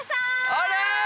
あれ？